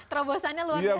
terobosannya luar biasa sekali